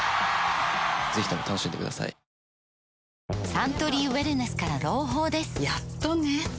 サントリーウエルネスから朗報ですやっとね